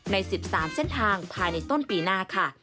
ใน๑๓เส้นทางภายในต้นปีหน้าค่ะ